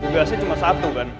gak sih cuma satu kan